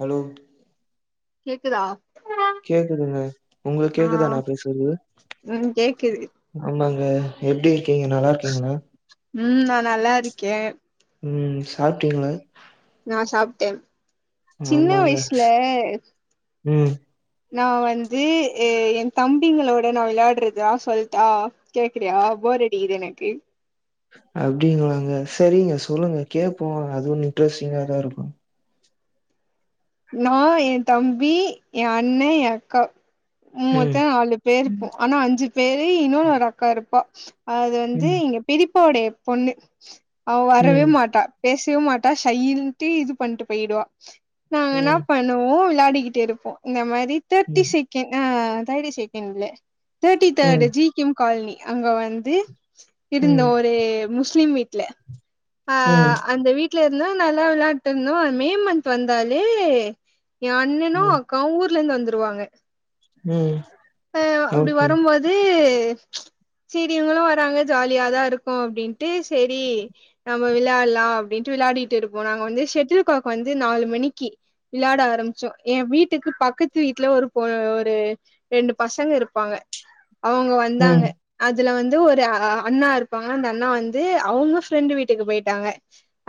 Hello கேக்குதா கேக்குதுங்க உங்களுக்கு ஆ கேக்குதா நா பேசறது ம் கேக்குது ஆமாங்க எப்டி இருக்கீங்க நல்லா இருக்கீங்களா ம் நா நல்லா இருக்கே ம் சாப்ட்டீங்களா நா சாப்ட்டே சின்ன ஆமாங்க வயிசுல ம் நா வந்து எ தம்பிங்களோட நா விளையாட்றதா சொல்ட்டா கேக்குறியா போர் அடிக்கிது எனக்கு அப்டிங்களாங்க சரிங்க சொல்லுங்க கேட்போ அதுவு நிட்ரஸ்ட்டிங்காதா இருக்கு நா ஏ தம்பி ஏ அண்ண ஏ அக்கா ம் மொத்த நாலு பே இருப்போ அனா அஞ்சு பேரு இன்னொன் ஒரு அக்கா இருப்பா அது வந்து ம் இங்க பெரிப்பாவுடைய பொண்ணு அவ வரவே ம் மாட்டா பேஸ்வே மாட்டா ஷைன்ட்டு இது பண்ட்டு போய்டுவா நாங் இன்னா ம் பண் ண்ணுவோ விளாடிக்கிட்டு இருப்போ இந்த மாரி தேட்டி ம் செக்கேண் ஆ தேர்டி செக்கேண்ட்ல தேர்ட்டி தேர்டு ம் ஜி கிம் கால்னி அங்க வந்து இருந்த ம் ஒரு முஸ்லிம் வீ ட்ல அ ம் அந்த வீட்ல இர்ந்தோ நல்லா விள்ளாண்ட்டு இர்ந்தோ அ மே மந்த் வந் தாலே ஏ அண்ணனு ம் அக்காவு ஊர்லேந்து வந்துருவாங்க ம் அ அப்டி ஓகே வரும்போது சீரி இவ்ங்களு வராங்க ஜாலியாதா இருக்கு அப்டின்ட்டு செரி நம்ம விள்ளாட்லா அப்டின்ட்டு விள்ளாடிட்டு இருப்போ நாங்க வந்து ஷெட்டில் காக் வந்து நாலு மிணிக்கி விளாட ஆரம்ச்சோ ஏ வீட்டுக்கு பக்கத்து வீட்ல ஒரு போ ஒரு ரெண்டு பசங்க இருப்பாங்க அவுங்க வந்தாங்க ம் அதுல வந்து ஒரு அ அண்ணா இருப்பாங்க அந்த அண்ணா வந்து அவுங்க ஃப்ரெண்டு் வீட்டுக்கு பொய்ட்டாங்க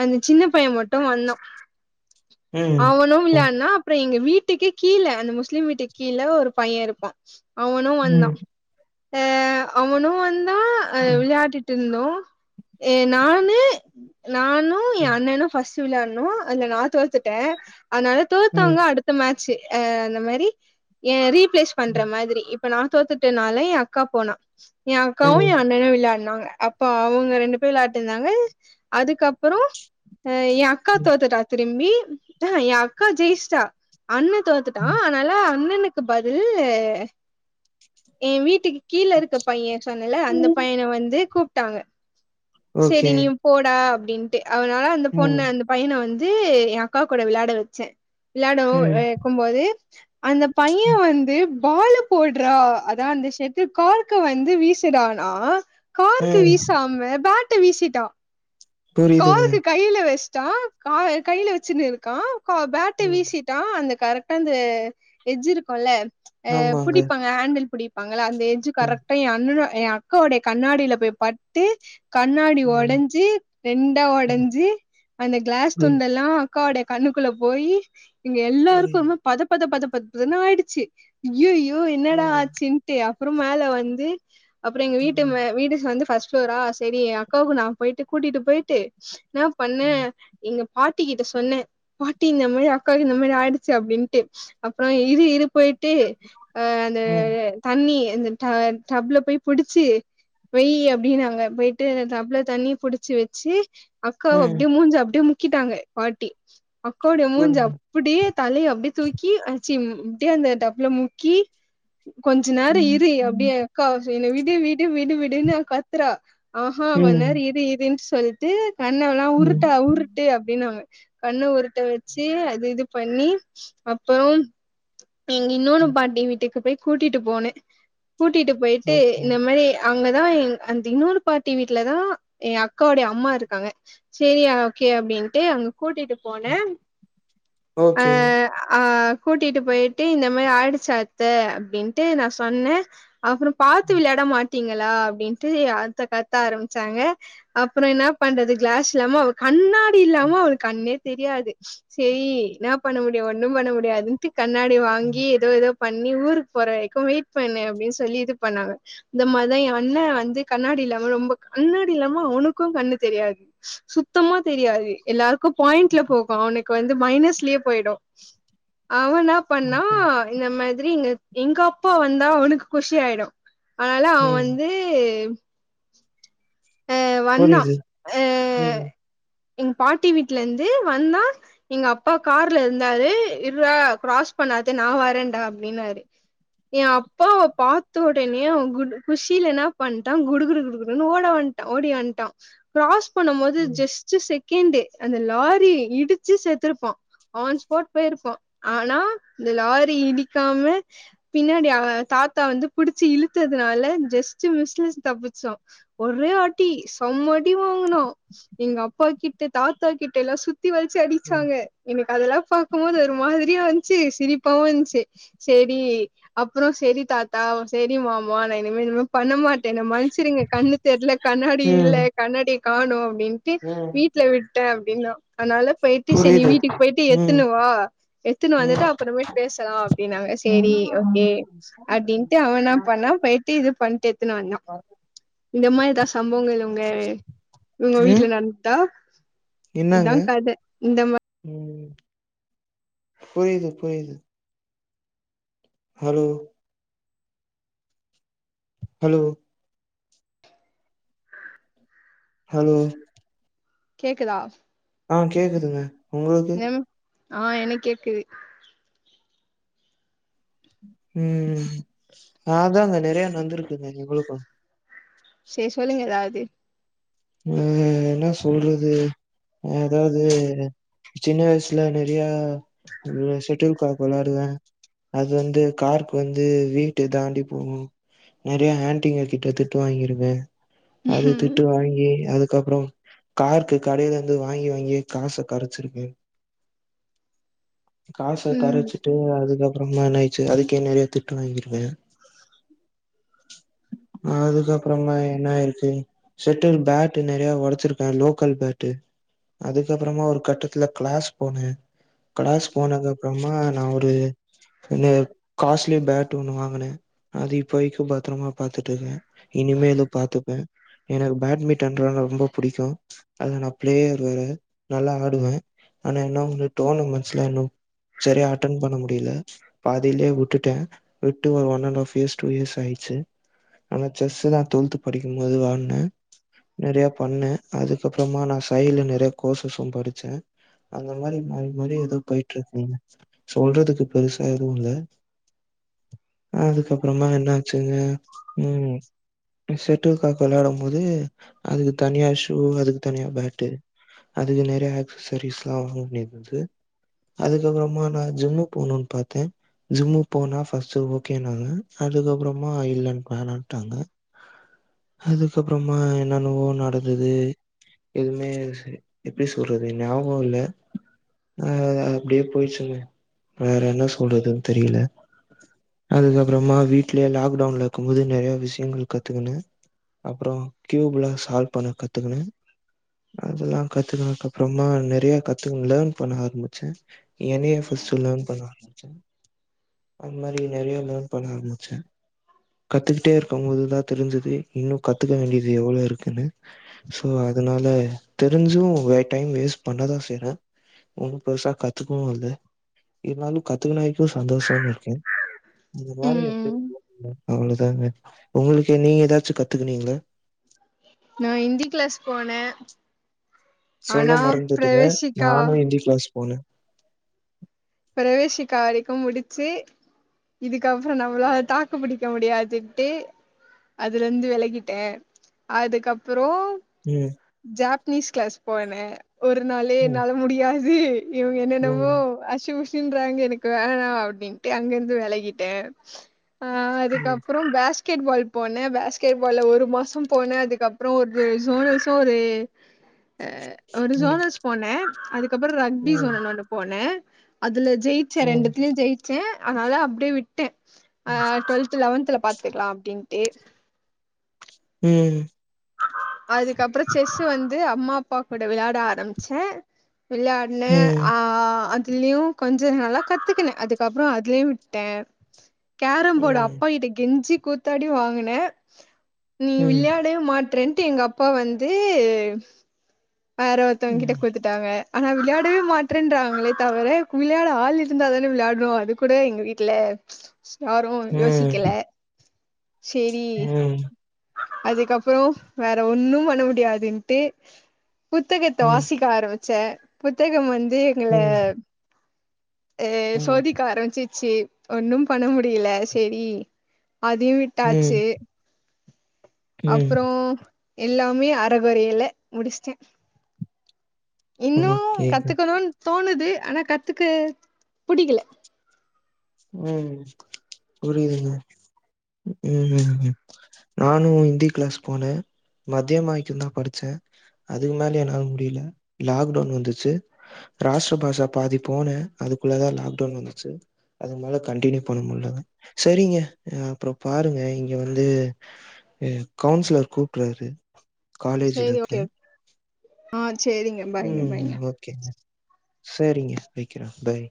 அந்த சின்ன பைய மட்டு வந்தா ம் அவனு ம் விள்யான்னா அப்ற எங்க வீட்டுக்கே கீழ அந்த முஸ்லீம் வீட்டுக் கீழ ஒரு பைய இருப்பா அவனு வந்தா அ அவனு வந்தா அ ம் விள்யாடிட் டுர்தோ எ நானு நானு ஏ ம் அண்ணனு ஃபஸ் து விள்யாட்ணு அதுல நா தோத்துட்ட அத்னால ம் தோத்தவ்ங்க அடுத் த்த மேச்சி அ அந்த மரி ஏ ரீப்ளேஸ் பண்ற மாத்ரி இப் இப்ப நா தோத்துட்டேனால ஏ அக்கா போனா ம் ம் ஏஅக்காவு ம். ஏ அண்ணனு விள்யாட்னாங்க அப் ப அவுங்க ரெண்டு பேர் விள்ளாட்டிந்தாங்க அதுக்கப்புறோ அ ஏஅக்கா தோத்துட்டா திலிம்பி அ ஹ ஏ அக்கா ஜெயிஷ்ட்டா அண்ண தோத்துட்டா அனால ன்னக்கு பதில்லு ஏ வீட்டுக்கு கீழ இருக்க பைய சொன்னல அந்த பையன வந்து கூப்ட்டாங்க செரி ஓகே நீயு போடா அப்டின்ட்டு அவுனால அந்த ம் பொண்ணு அந்த பையன வந்து யா கா கூட விள்ளாட வச்ச விள்ளாடவு ம் வெ க்கும்போது அந்த பைய வந்து பாலு போட்றா அதா அந்த ஷெட்டில் கார்க்க வந்து வீசுடானா கார்க்கு ம் வீசாம பேட்ட வீசிட்டா புரியுதுங்க கார்க்கு கைல வெஷ்ட்டா கா கைல வெச்சுனு இருக்கா கா பேட்ட ம் வீசிட்டா கா அந்த கரெக்ட்டா அந்த எட்ஜ் இருக்குல்ல அ ஆமாங்க. புடிப்பாங் ஹேண்டல் புடிப்பாங்கள்ள அந்த எஜ்ஜு ம், கரெக்ட்டா ஏஅண்ணனோ ஏ அக்காவோடைய கண்ணாடில போய் பட்டு கண்ணாடி ம், ஒடஞ்சி ரெண்டா ம். ஒடஞ்சி அந்த க்ளாஸ் புரியுது, துந்த இல்லா அக்காவோட்ய கண்ணுக்குள்ள போயி எங்க எல்லாருக்கு புரியுது. ம்ம ம பத பத பத பதன்னு ஆய்டுச்சி யுய்யோ என்னடா ம், ஆச்சின்ட்டு அப்புற மேல வந்து அப்புற எங்க வீட்டு ம், மே வீடுஸ் வந்து ஃபஸ்ட் ஃப்ளோரா செரி அக்காவுக்கு நா பொய்ட்டு கூட்டிட்டு பொய்ட்டு ன்னா பண்ண எங்க பாட்டி கிட்ட சொன்ன பாட்டி இந்த மரி அக்காக்கு இந்த மேரி ஆய்டுச்சு அப்டின்ட்டு அப்றோ இது இரு பொயிட்டு அ அந்த ம், ம், தண்ணி அந்த ட டப்ல போய் புடுச்சி வெய் அப்டினாங்க பெய்ட்டு தப்ல தண்ணி புடுச்சி வெச் சி அக்காவ ம். அப்டே மூஞ்ச அப்டே முக்கிட்டாங்க பாட்டி அக்கா உட்ய மூஞ்சப் புரியுது. புடியே தலைய அப்டே தூக்கி ஆச்சிம் ப்டியே அந்த டப்ல முக்கி கொஞ்ச நேர ம், இரு ம், அப்டியே அக்கா ஃபி என்ன விடு விடு விடு விடுன்னு கத்துறா ஆஹா கொஞ் நேர ம். இரு இருன்னு சொல்டு கண்ணல்லா ம். உருட்டா உரு ட்டு அப்டின்னாங்க கண்ண உருட்ட வச்சு அது இது பண்ணி அப்பறொம் ம் இன்னொன்னு பாட்டி வீட்டுக்கு போய் கூட்டிட்டு போனே கூட்டிட்டு போய்டு ஓகே. இந்த மாரி அங்க தா இ அந்த இன்னொரு பாட்டி வீட்ல தான் என் அக் காவுடைய அம்மா இருக்காங்க சரி ஓகே அப்டின்டு அங்க கூட்டிட்டு போனே ம். அ ஓகே. அ கூட்டிட்டு போய்டு இந்த மாரி ஆயிடுச்சு அத்த அப்டின்டு நா சொன்னேன் அப்புறம் பாத்து ம், விளையாட மாட்டீங்களா அப்டின்டு அத்த கத்த ஆரம்பிச்சாங்க அப்புறம் என்ன பண்றது கிளாஸ் இல்லாம அவ கண்ணாடி இல்லாம அவளுக்கு கண்ணே தெரியாது சரி என்ன பண்ண முடியும் ஒன்னும் பண்ண முடியாதுன்டு கண்ணாடி ம். வாங்கி ஏதோ ஏதோ பண்ணி ஊருக்கு போற வரைக்கும் வெயிட் பண்ணு அப்டின்னு சொல்லி இது பண்ணாங்க இந்த மாதிதான் என் அண்ணன் வந்து கண்ணாடி இல்லாம ரொம்ப க கண்ணாடி இல்லாம அவனுக்கும் கண்ணு தெரியாது சுத்தமா தெரியாது எல்லாருக்கும் பாயிண்ட்ல போகும் அவனுக்கு வந்து மைனஸ்லயே போயிடும் அவன் னா பண்ணா ஓகே. இந்த மாதிரி எங்க எங்க அப்பா வந்தா அவனுக்கு குஷியாயிடும் அனால அவன் ம். வந்து எ வந்தான் புரியுது. எ ம், எங்க பாட்டி வீட்லந்து வந்தான் எங்க அப்பா கார்ல இருந்தாரு இருடா கிராஸ் பண்ணாத நா வரேண்ட அப்டின்னாரு என் அப்பாவ பாத்த உடனே அவ கு குஷில என்ன பண்டான் குடு குடு குடு குடுன்னு ஓட வன்டா ஓடி வன்டான் கிராஸ் பண்ணும் போது ம், ஜஸ் ட் செகண்டு அந்த லாரி இடிச்சி செத்திருப்பான் ஆன்ஸ்பாட் போய்ருப்பான் ஆனா இந்த லாரி இடிக்காம பின்னாடி அவ தாத்தா வந்து புடிச்சி இழுத்ததுனால ஜஸ்ட் மிஸ்ல தப்பிச்சோம் ஒரே அடி செம்ம அடி வாங்குனோம் எங்க அப்பா கிட்ட தாத்தா கிட்ட எல்லாம் சுத் சுத்தி வலச்சு ம். அடிச்சாங்க எனக்கு அதெல்லாம் பாக்கபோது ஒரு மாதிரியா இருந்சி சிரிப்பாவும் இருந்சி சேரி அப்புறம் செரி தாத்தா செரி மாமா நான் இனிமேலும் பண்ண மாட்டேன் என்ன மன்னிச்சிருங்க கண்ணு தெர்ல கண்ணாடி இல்ல ம், கண்ணாடிய கானோம் அப்டின் ட்டு ம். வீட்ல விட்டேன் அப்டின்னா அனால போய்டு ச நீ புரியுது. வீட்டுக்கு போய்டு ம், எத்துனு வா எத்துன்னு வந்துட்டு ம். அப்புறமேட் பேசலாம் அப்டினாங்க சரி ம். ஓகே அப்டின்டு அவன்னா பண்ணா போயிட்டு இது பண்ட்டு எத்துனு வந்தான் இந்த மாரி ஏதா சம்பவங்கள் உங்க உங்க வீட்டுல நடந்துதா என்னங்க ம் புரியிது புரியிது ஹலோ ஹலோ ஹலோ கேக்குதா ஆ கேக்குதுங்க உங்களுக்கு? ம் ஆ எனக் கேக்குது ம் அதான்ங்க நறைய நடந்திருக்குது எங்களுக்கும் சேரி சொல்லுங்க ஏதாவது ம் என்ன சொல்றது அதாவது சின்ன வயசுல நிறையா செட்டுல்காக் விளாடுவேன் அது வந்து கார்க் வந்து வீட்டு தாண்டி போகும் நறைய ஆண்டிங்க கிட்ட திட்டு வாங்கிருக்கேன் அது திட்டு வாங் ஏ அதுக்கப்புறம் கார்க்கு கடையில இருந்து வாங்கி வாங்கி காசை கரச்சிருக்கேன் காச ம் ம் கரச்சிட்டு அதுக்கப்புறமா இன்னாய்ச்சு அதுக்கே நறைய திட்டு வாங்கிருக்க அதுக்கப்புறமா என்ன ஆயிருக்கு ட்டில் பேட்டு நெறைய ஒடச்சிருக்க லோக்கல் பேட்டு அதுக்கப்புறமா ஒரு கட்டத்துல கிளாஸ் போனே கிளாஸ் போனது அப்புறமா நா ஒரு என்ன காஸ்லி பேட்டு ஒன்னு வாங்குன அது இப்ப வைக்கும் பத்ரமா பாத்துட்ருந்த இனிமேலும் பாத்துப்பே ஏன்னா அது பேட்மிட்டன் ரொம் ரொம்ப புடிக்கும் அதுல நா பிளேயரு வேற நல்லா ஆடுவே ஆனா என்ன வந்து டோர்னமெண்ட்ஸ்லாம் இன்னு சரியா அட்டன் பண்ண முடிய்ல பாதியிலே விட்டுட்ட விட்டு ஒரு one and half years two years ஆயிட்ச்சு ஆனா செஸ்ஸு தா டுவல்த்து படிக்கும்போது வாங்னே நெறைய பண்ணே அதுக்கப்புறமா நா சைல நெறைய கோர்சஸும் படிச்சே அந்த மாரி மாரி மாரி எதோ போயிட்ருக்குங்க சொல்றதுக்கு பெருசா எதுவு இல்ல அதுக்கப்புறந்தா என்னாச்சுங்க ம் டு செட்டில் காக் வெள்யாடும் போது அதுக்கு தனியா ஷூ அதுக்கு தனியா பேட்டு அதுக்கு நெறைய ஆக்சசரிஸ்ல்லா வாங்ல பல்து அதுக்கப்புறமா நா ஜிம்மு போணுன் பாத்தே ஜிம்மு போனா ஃபர்ஸ்ட்டு ஓகேனாங்க அதுக்கப்புறமா இல்ல வேணான்டாங்க அதுக்கப்றமா என்னன்னவோ நடந்தது எப்டி சொல்றது ஞாபோ இல்ல ஆ அது அப்டியே போயிச்சிங்க வேற என்ன சொல்றதுன் தெரியில அதுக்கப்புறமா வீட்லயே லாக்டவுன்ல இருக்கும் போது நெறைய விஷயங்கள் கத்துக்குணு அப்புறம் கியூப்லா சால்வ் பண்ண கத்துக்குணு அதெல்லா கத்துக்கனதுக்கு அப்றமா நெறைய கத்துன் லேர்ன் பண்ண ஆரம்பிச்சே என்னயு என் சிஸ்டர் லேர்ன் பண்ண ஆரம்பிச்ச அது மாரி நெறைய லேர்ன் பண்ண ஆரம்பிச்ச கத்துக்கிட்டே இருப்ப இது தா தெரிஞ்சது இன்னு கத்துக்க வேண்டியது எவ்ளோ இருக்குன்னு சோ அதனால தெரிஞ்சும் வே டைம் வேஸ்ட் பண்ணதா செய்ற ஒண்ணும் பெருசா கத்துக்கவும் இல்ல இருந்தாலும் கத்துக்ன வரைக்கும் சந்தோஷம்னு இருக்கே ம் அவ்ளோ தாங்க உங்களுக்கு நீங் எதாச்சும் கத்துக்குனீங்ளா நா ஹிந்தி கிளாஸ் போன ஆனா பிரவேசிக்கா எந்த கிளாஸ் போன பிரவேசிக்க வரைக்கும் முடிச்சு இதுக்கப்புறம் நம்ளால தாக்கு பிடிக்க முடியாதுன்ட்டு அதுலந்து வெலகிட்டே அதுக்கப்புறோம் ம் ஜாப்னீஸ் கிளாஸ் போன ஒரு நாளே ம், என்னால முடியாது இவுங்க என்னென்னமோ ம், ஷின் ஷின்றாங்க எனக்கு வேணா அப்டின்ட்டு அங்கேந்து வெலகிட்ட ஆ ம், அதுக்கப்புறோம் பேஸ் கெட் பால் போன பாஸ்கெட் பால்ல ஒரு மாசம் போன அதுக்கப்புறம் ஒரு ஜோனல்ஸும் ஒரு அ ஒரு ம், ஜோனல்ஸ் போன அதுக்கப்புறம் ரக்பி ம், ஜோனல் ஒன்னு போன அதுல ஜெயிச்சே ம், ரெண்டுத்துல்யும் ஜெயிச்சே அதனால அப்டியே விட்டே ஆ ட்வெல்த் து லெவன்துல பாத்துக்லா அப்டின்ட்டு ம் அதுக்கப்றோ செஸ் வந்து அம்மா அப்பா கூட விளாட ஆரம்பிச்சே விளாட் விளையா ம், ஆ அதுல்யு கொஞ்சோ நல்லா கத்துகுனே அதுக்கப்றோ அதுலயு விட்டே கேரம் போர்டு ம், அப்பா கிட்ட கெஞ்சி கூத்தாடி வாங்கினே நீ ம், விளையாடே மாட் றென்டு எங்க அப்பா வந்து வேற ஒருத்தங்க கிட்ட ம், குடுத்துட் டாங்க ஆனா விள்யாடவே மாட்டேன்றாங்களே தவர விள்யாட ஆள் இருந்தா தான விளையாடுவோ அது கூட எங்க வீட் டுல யாரு ம், யோசிக்கல செரி ம், அதுக்கப்றோ வேற ஒன்னு பண்ண முடியாதுன்ட்டு புத்தகத்த ம், வாசிக் க ஆரம்பிச்சே புத்தகம் வந்து எங்கள ம், ஏ சோதிக்க ஆரம்பிச்சிச்சு ஒன்னும் பண்ண முடியல சரி அதையு விட் ம், டாச்சு ம். அப்புறோ எல்லாமே அரகொறையில முடிச்ட்டே இன்னு ஓகேங்க. கத்துக்கணுன் தோணுது ஆனா கத்துக்க புடிக்கல ம் புரியுதுங்க ம் ம் நானு இந்தி கிளாஸ் போனே மதியோமாய்க்கு தா படிச்சே அதுக்கு மேலே என்னால முடியல லாக்டவுன் வந்துச்சு ராஷ்ட்ர பாஷா பாதி போனே அதுக்குள்ளதா லாக்டவுன் வந்துச்சு அது மேல கன்டினியூ பண்ண முட்லங்க சரிங்க எ அப்றோ பாருங்க இங்க வந்து எ கவுன்சிலர் கூப்ட்றாரு காலேஜ்ல சேரி இருக்கே ஓகே ஓகே ஆ செரி ம் ஓகேங்க சரிங்க வைக்றே பாய்